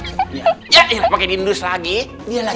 iya pakai di hindus lagi